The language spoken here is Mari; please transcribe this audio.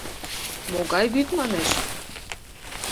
Могай вӱд? — манеш.